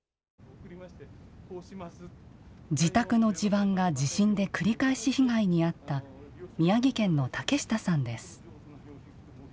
自宅の地盤が地震で繰り返し被害に遭った宮城県の竹下さんです。